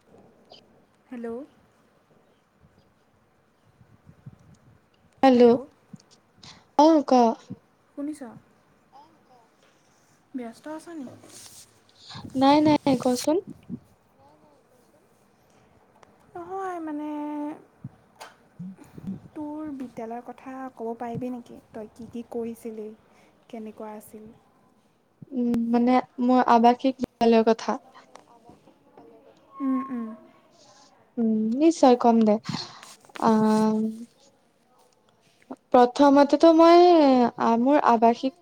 [inaudible] Hello [inaudible] hello অ ক শুনিছ ব্যস্ত আছ নেকি নাই নাই কচোন নহয় মানে তোৰ বিদ্যালয়ৰ কথা ক'ব পাৰিবি নেকি তই কি কি কৰিছিলি কেনেকুৱা আছিল উম মানে মোৰ আবশিস বিদ্যালয় কথা উম উম উম নিশচয় কম দে আ প্ৰথমতেতো মই মোৰ আৱাসিক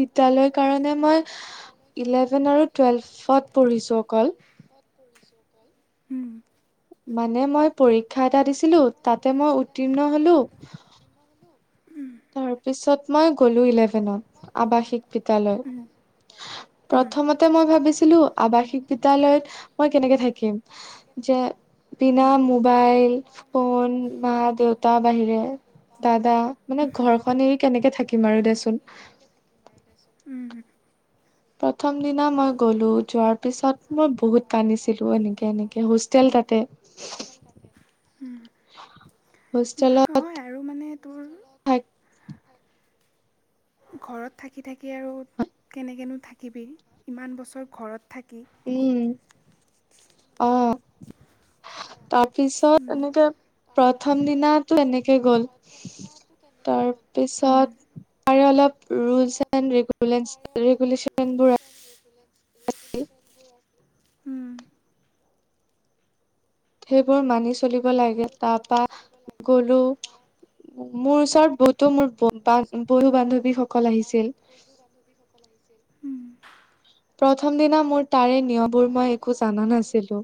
বিদ্য়ালয় কাৰণে মই ইলেভেন আৰু টুৱেলভত পঢ়িছো অকল পাত পৰিছো অকল উম মানে মই পৰীক্ষা এটা দিছিলো তাতে মই উত্তীৰ্ণ হলো তাৰ পিছত মই গ'লো ইলেভেনত আৱাসিক বিদ্যয়ালয় প্ৰথমতে মই ভাবিছিলো আৱাসিক বিদ্যয়ালয়ত মই কেনেকে থাকিম যে বিনা মোবাইল ফোন মা দেউতা বাহিৰে দাদা মানে ঘৰখন এ কেনেকে থাকিম আৰু দেচোন উম হ প্ৰথম দিনা মই গ'লো যোৱাৰ পিছত মই বহুত কান্দিছিলো এনেকে এনেকে হোষ্টেল তাতে ন্কাৰ [unintelligible] হষ্টেলত মানে তোৰ ঘৰত থাকি থাকি আৰু কেনেকৈনো থাকিবি ইমান বছৰ ঘৰত থাকি উম অ তাৰ পিছত এনেকে প্ৰথম দিিননাাতটো এনেকে গ'ল তাৰপিছত তাৰে অলপ ৰল [unintelligible] ৰেগুলশনবোৰ [unintelligible] [unintelligible] [unintelligible] সেইবোৰ মানি চলিব লাগে তাৰ পৰাা গলো মোৰ ওচৰত বহুত তো মোৰ বন্ধু বান্ধৱীসকল আহিছিল [unintelligible] ক লাগিছিল। প্ৰথম দিনা মোৰ তাৰে নিয়ম বোৰ মই একো জানা নাছিলোঁ,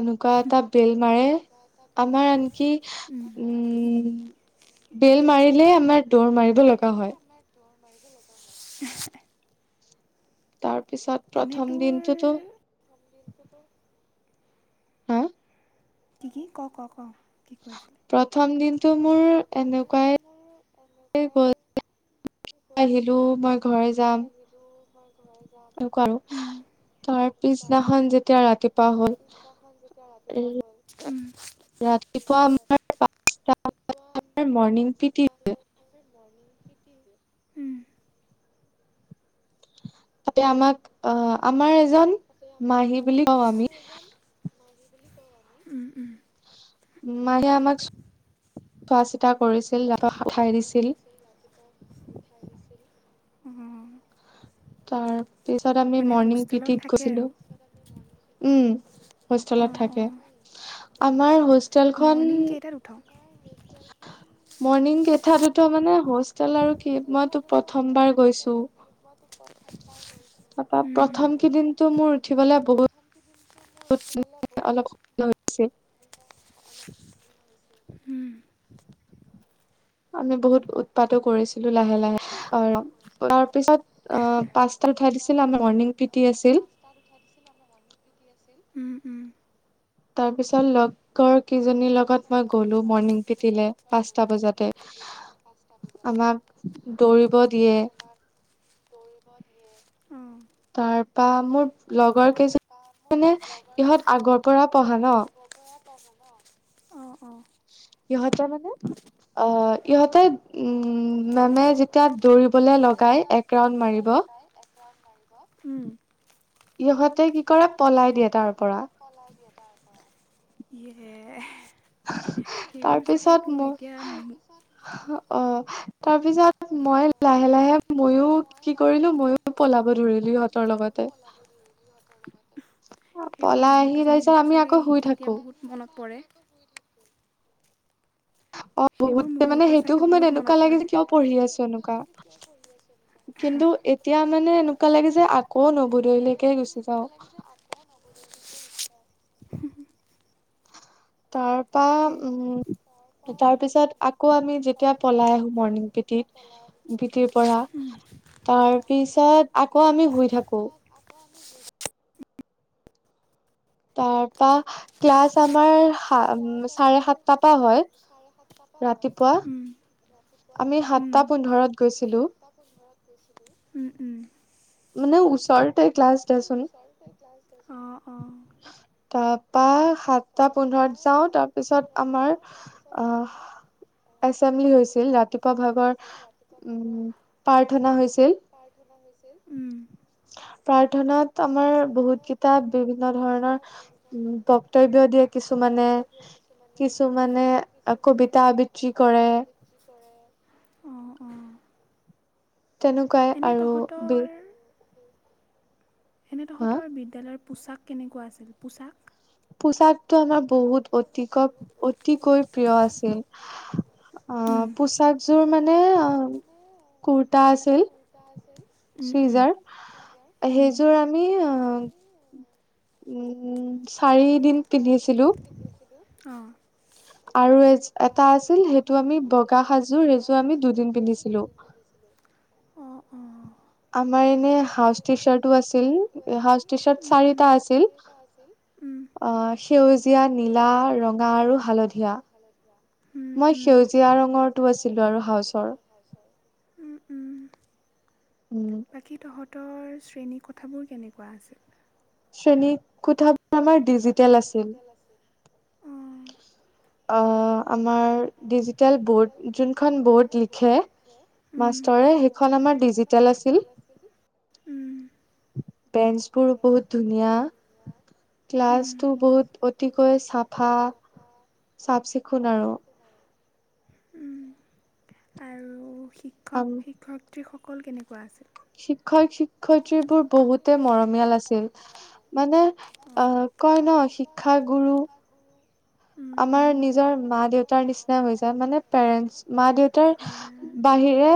এনেকুৱা এটা বেল মাৰে আমাৰ আনকি উম, বেল মাৰিলে আমাৰ বেল মাৰিলে আমাৰ দৌৰ মাৰিব লগা হয়। তাৰপিছত প্ৰথম দিনটোতো হা? কি কি, ক ক ক, কি কৈ আছিলি। প্ৰথম দিন প্ৰথম দিনটো মোৰ এনেকুৱাই আহিলোঁ, মই ঘৰে যাম। যিহেতু মই ঘৰে যাম। এনেকুৱা আৰু, তাৰ পিছদিনাখন যেতিয়া ৰাতিু পুৱা হ'ল, ৰাতিপুৱা আমাৰ [unintelligible] ৰাতিপুৱা আমাৰ পাঁচটা [unintelligible] তাতে আমাক অ' আমাৰ এজন তাতে আমাক অ' আমাৰ এজন মাহী বুলি কওঁ আমি, উম, উম। মায়ে আমাক চোৱা চিতা কৰিছিল, [unintelligible] উঠাই দিছিল। উঠাই দিছিল। [unintelligible] তাৰপিছত আমি মৰ্ণিং পিটিত গৈছিলোঁ। উম, হোষ্টেলত থাকে। আমাৰ হোষ্টেলখন থ মৰ্ণিং কেইটাত উঠ মানে হছ টেল আৰু কি, মইতো প্ৰথমবাৰ গৈছোঁ। বা প্ৰথম কেইদিনতো মোৰ উঠিবলে বহুত [unintelligible] ছে। আমি বহুত উৎপাতো কৰিছিলোঁ লাহে লাহে আৰু। তাৰপিছত অ' পাঁচটাত উঠাই দিছিল, আমাৰ মৰ্ণিং পিটি আছিল। পাঁচটাত উঠাই দিছিল, আমাৰ মৰ্নিং পিটি আছিল। উম, উম। তাৰপিছত লগ কৰ কেইজনীৰ লগত মই গ'লোঁ মৰ্ণিং পিটিলে, পাঁচটা বজাতে। আমাক দৌৰিব দিয়ে। দৌৰিব দিয়ে। উম। তাৰপা মোৰ লগৰ কেইজ নী মানে ইহঁত আগৰ পৰা পঢ়া ন'। [unintelligible] অ', অ'। সিহঁতে মানে আ, ইহঁতে উম, মেমে যেতিয়া দৌৰিবলে লগাই, এক ৰাউণ্ড মাৰিব [unintelligible] উম। ইহঁতে কি ইহঁতে কি কৰে পলাই দিয়ে তাৰ পৰা। তাৰপিছত মোক অ' তাৰপিছত মই লাহে লাহে ময়ো কি কৰিলোঁ, ময়ো পলাব ধৰিলোঁ ইহঁতৰ লগতে। সেইবোৰ মূহুৰ্ত মুহুৰটো চাগে এতিয়া বহুত মনত পৰে। অ বহুতে মানে, সেইটো সময়ত এনেকুৱা লাগে যে কিয়, পঢ়ি আছো এনেকুৱা। কিন্তু এতিয়া মানে এনেকুৱা লাগে যে, ক নবুদৈলৈকে গৈছোঁ। যাওঁ! [unintelligible] তাৰপা উম, তাৰ পিছত আকৌ আমি যেতিয়া পলাই আহো মৰ্ণিং বিটিত, বিটিৰ পৰা। তাৰ পিছত আকৌ, আমি শুই থাকো। আকৌ আমি, শুই থাকোঁ। তাৰপা ক্লাছ আমাৰ চাৰে সাতটাৰ পৰা হয়। [unintelligible] উম। আমি সাতটা পোন্ধৰত গৈছিলো। [unintelligible] উম উম। মানে ওচৰতে ক্লাছ দেচোন। অ অ। তাৰপা সাত, সাতটা পোন্ধৰত যাওঁ। তাৰপিছত আমাৰ আহ, এচেম্বলি হৈছিল, ৰাতিপুৱা ভাগৰ উম প্ৰাৰ্থনা হৈছিল। প্ৰাৰ্থনা হৈছিল, উম। প্ৰাৰ্থনাত, আমাৰ বহুত কেইটা বিভিন্ন ধৰণৰ, উম বক্তব্য দিয়ে কিছুমানে। কিছুমানে আকৌ কবিতা আবৃত্তি কৰে। কৰে অ অ। তেনেকুৱাই আৰু ব এনেই তহঁতৰ বিদ্যালয়ৰ পোচাক কেনেকুৱা আছিল পোচাক? পোচাকটো আমাৰ বহুত অতিক অতিকৈ প্ৰিয় আছিল। অ পোচাকযোৰ মানে, কুৰ্তা আছিল। উ উ উয আমি [unintelligible] উম উম, চাৰি দিন চাৰিদিন কে গৈছিলোঁ। অঁ, আৰু এজো আৰু এটা আছিল সেইটো আমি বগা সাজ যোৰ হেইজুৰ আমি দুদিন পিধিছিলোঁ। অ অ। আমাৰ এনে হাফ টি চাৰ্টো আছিল, হাফ টি চাৰ্ট চাৰিটা আছিল। সেউজীয়া, নীলা, ৰঙা আৰু হালধীয়া। মই সেউজীয়া সেউজীয়া ৰঙৰটো [unintelligible] উম উম। উম বাকী তহঁতৰ শ্ৰেণী কোথাবোৰ কেনেকুৱা আছিল? শ্ৰেণী, শ্ৰেণী কোঠাতো আমাৰ ডিজিটেল আছিল। অ আমাৰ ডিজিটেল বোৰ্ড, যোনখন বোৰ্ড লিখে। মাষ্টৰে, সেইখন আমাৰ ডিজিটেল আছিল। বেঞ্চবোৰো বহুত ধুনীয়া। ক্লাছটো বহুত অতিকৈ চাফা, চাফ চিকুণ আৰু। [inaudible] আৰু শিক্ষক শিক্ষয়িত্ৰীসকল কেনেকুৱা আছিল? শিক্ষক শিক্ষয়িত্ৰীবোৰ বহুতে মৰমীয়াল আছিল মানে অ কয় ন শিক্ষাগুৰু আমাৰ নিজৰ মা দেউতাৰ নিচিনা হৈ যায় মানে পেৰেন্টচ মা দেউতাৰ বাহিৰে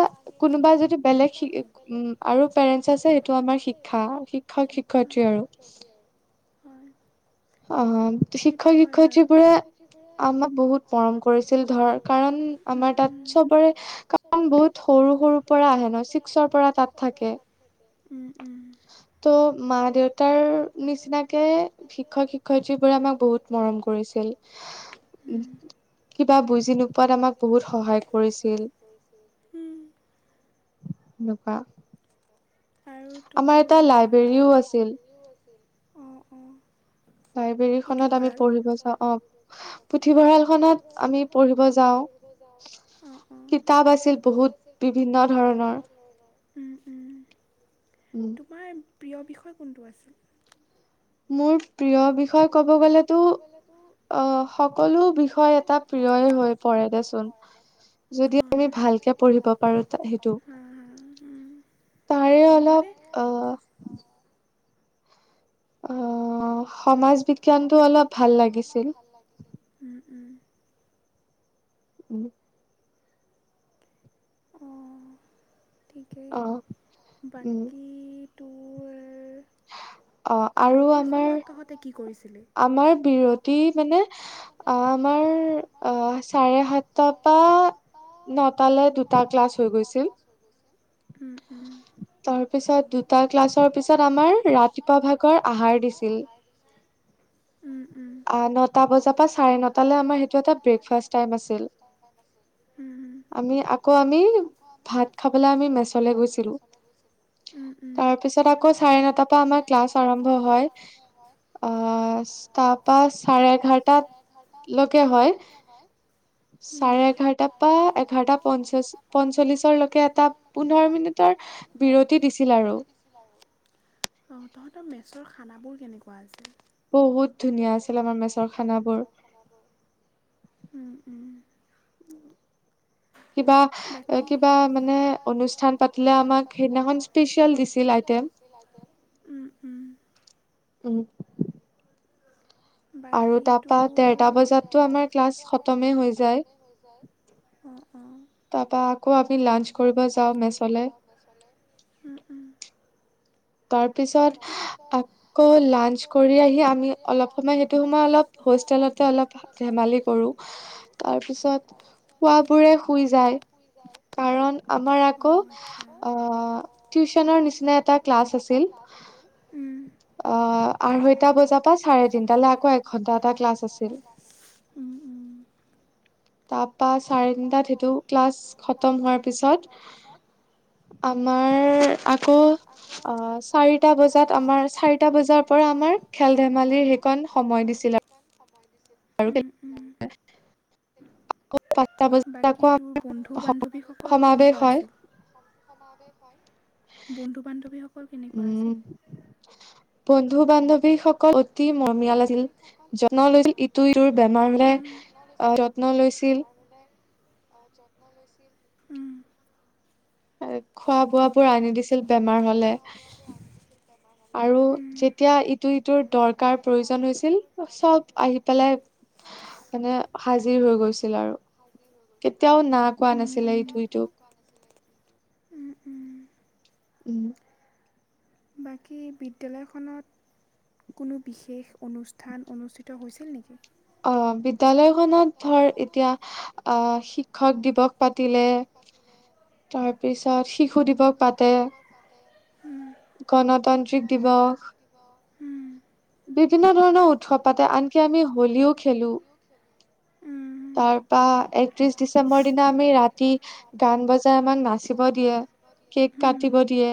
কোনোবা যদি বেলেগ শি উম আৰু পেৰেন্টছ আছে এইটো আমাৰ শিক্ষা শিক্ষক শিক্ষয়িত্ৰী আৰু কেআই আহাপ শিক্ষক শিক্ষয়িত্ৰী বোৰে আমাক বহুত মৰম কৰিছিল ধৰ কাৰণ আমাৰ তাত চবৰে কাৰণ বহুত সৰু সৰু পৰা আহে ন ছিক্সৰ পৰা তাত থাকে উম উম ত' মা দেউতাৰ নিচিনাকে শিক্ষক শিক্ষয়ি- -ত্ৰী বোৰে আমাক বহুত মৰম কৰিছিল কিবা বুজি কিবা বুজি নোপোৱাত আমাক বহুত সহায় কৰিছিল হেনোকা আৰু তোৰ এটা লাইব্ৰেৰীও আছিল অ অ লাইব্ৰেৰী খনত আমি পঢ়িব যাওঁ অ পুথিভঁৰাল খনত আমি পঢ়িব যাওঁ পঢ়িব যাওঁ কিতাপ আছে বহুত বিভিন্ন ধৰণৰ ওম ওম উম তোমাৰ প্ৰিয় বিষয় কোনটো আছিল মোৰ প্ৰিয় বিষয় ক'ব গ'লেতো অ সকলো বিষয় এটাত প্ৰিয়ই হৈ পৰে দেচোন যদি আমি ভালকে পঢ়িব পাৰো সেইটো সেইটো মানে অ সমাজ বিজ্ঞ সমাজ বিজ্ঞান টো অলপ ভাল লাগিছিল উম উম উম অঁ ঠিকেই বাকী টোৱেৰ অ আৰু আমাৰ আমাৰ বিৰতি মানে অ আমাৰ অ চাৰে সাতটা পৰা নটালৈ দুটা ক্লাছ হৈ গৈছিল উম উম তাৰ পিছত দুটা ক্লাছৰ পিছত আমাৰ ৰাতিপুৱা ভাগৰ আহাৰ দিছিল [inaudible] উম উম অ নটা বজাৰ পৰা চাৰে নটালৈ আমাৰ ব্ৰেকফাষ্ট টাইম টাইম আছিল উম হোম আমি আকৌ আমি ভাত খাবলৈ আমি মেচলে গৈছিলো তাৰ পিছত আকৌ চাৰে নটাৰ পৰা আমাৰ ক্লাছ আৰম্ভ হয়। হয় আ ষ্টাফ পা চাৰে এঘাৰটাত লকে হয় চাৰে এঘাৰটাৰ পৰা এঘাৰটা পঞ্চাশ পঞ্চল্লিশৰলৈকে এটা পোন্ধৰ মিনিটৰ বিৰতি দিছিল আৰু [unintelligible] তো মেছৰ খানাবোৰ কেনেকোৱা আছিল বহুত ধুনীয়া আছিল আমাৰ মেছৰ খানাবোৰ খানাবোৰ উম উম কিবা মানে অনুষ্ঠান পাতিলে আমাক সেইদিনাখন স্পেচিয়েল দি উম উম উম বাকীটো আৰু তাৰপৰা ডেৰটা বজাততো আমাৰ ক্লাছ খটমেই হৈ যায় উম উম তাৰপা আকৌ আমি লাঞ্চ কৰিব যাওঁ মেছলে উম উম তাৰপিছত আকৌ লাঞ্চ কৰি আহি আমি অলপ সময় সেইটো সময় অলপ হোষ্টেলতে অলপ ধেমালি কৰোঁ তাৰপিছত শুৱাবোৰে শুই যায় শুই যায় কাৰণ আমাৰ আকৌ অ টিউচনৰ নিচিনা এটা ক্লাছ আছিল ক্লাছ আছিল উম অ আঢ়ৈটা বজাৰ পৰা চাৰে তিনটালৈ আকৌ এক ঘন্টা এটা ক্লাছ আছিল তাৰপা চাৰে তিনটাত সেইটো ক্লাছ খতম হোৱাৰ পিছত আমাৰ আকৌ অ চাৰিটা বজাত আমাৰ চাৰিটা বজাৰ পৰা আমাৰ খেল ধেমালিৰ সেইকন সময় দিছিলে সময় দি আৰু [inaudible] বাকী তোৰ বন্ধু বান্ধৱীসকল কেনেকোৱা আছিল বন্ধু বান্ধৱীসকল কেনেকুৱা আছিল বন্ধু বান্ধৱীসকল অত বন্ধু বান্ধৱীসকল অতি মৰমীয়াল আছিল উম যত্ন লৈছিল তুই তোৰ বেমাৰ হলে অ যত্ন লৈছিল। উম খোৱা বোৱা বোৰ আনি দিছিল বেমাৰ হলে আৰু যেতিয়া ইটো সিটোৰ দৰকাৰ প্ৰয়োজন হৈছিল সব আহি পেলাই মানে হাজিৰ হৈ গৈছিল আৰু কেতিয়াও না কোৱা নাছিলে এইটো সিটোক উম বাকী বিদ্যালয়খনত কোনো বিশেষ অনুষ্ঠান অনুষ্ঠিত হৈছিল নেকি অ বিদ্যালয়খনত ধৰ এতিয়া আহ শিক্ষক দিৱস শিক্ষক দিৱস পাতিলে তাৰপিছত শিশু দিৱস পাতে পাতে গণতান্ত্ৰিক দিৱস বিভিন্ন ধৰণৰ উৎসৱ পাতে আনকি আমি হলীও খেলো [inaudible] তাৰপা একত্ৰিশ ডিচেম্বৰ দিনা আমি ৰাতি গান বজাই আমাক নাচিব দিয়ে কেক কাটিব দিয়ে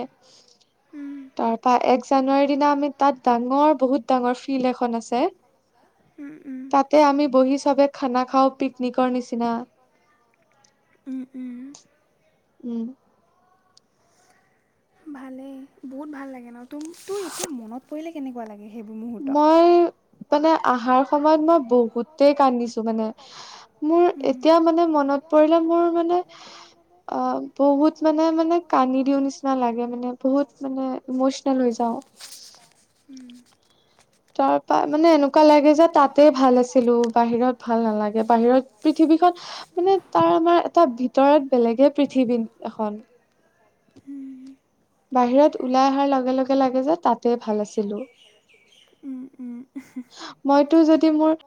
তাৰ পৰা এক জানুৱাৰীৰ দিনা আমি তাত ডাঙৰ বহুত ডাঙৰ ফিল এখন আছে তাতে আমি বহি চবে খানা। খাওঁ পিকনিকৰ নিচিনা। ওম-ওম উম ভালেই বহুত ভাল লাগে ন তুম তো এতিয়া মনত। কৰিলে কেনেকোৱা লাগে সেইবোৰ মুহৰ্ত। মানে আহাৰ সময়ত মই বহু তে কান্দিছো মানে আহ আহ আহ, মোৰ এতিয়া মানে মনত পৰিলে মোৰ মানে আহ আহ আহ আ ও। বহুত মানে মানে কানি দিও নিচিনা লাগে মানে বহুত মানে ইমচনেল হৈ যাও সি সি সি। উম উম উ উ। তাক। আ মানে এনেকুৱা লাগে যে তাতে ভাল আছিলো বাহিৰত ভাল নালাগে বাহিৰত পৃথিৱীখন আহ আহ আহ। মানে তাৰ আমাৰ এটা ভিতৰত বেলেগে পৃথিৱী এখন। বাহিৰত ওলাই অহাৰ লগে লগে লাগে যে তাতে ভাল আছিলো ই আহ্ মইতো যদি মোৰ